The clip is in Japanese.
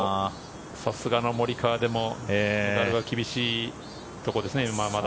さすがのモリカワでもメダルは厳しいところですね、まだ。